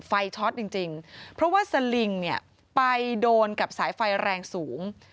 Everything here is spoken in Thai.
ช็อตจริงเพราะว่าสลิงเนี่ยไปโดนกับสายไฟแรงสูง